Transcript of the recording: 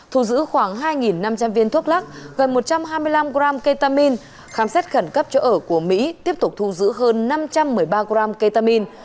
thu giữ khoảng hai năm trăm linh viên thuốc lắc gần một trăm hai mươi năm gram ketamine khám xét khẩn cấp chỗ ở của mỹ tiếp tục thu giữ hơn năm trăm một mươi ba gram ketamine